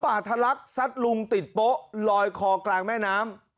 ปาทะลักษณ์สัตว์ลุงติดโป๊ะลอยคอกลางแม่น้ำ